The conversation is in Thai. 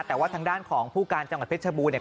แต่ว่าทางด้านของผู้การจังหวัดเพชรบูรณเนี่ย